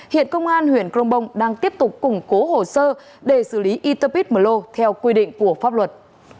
hiện công an huyện cronbong đang tiếp tục củng cố hồ sơ để xử lý yterpit mello theo quy định của pháp luật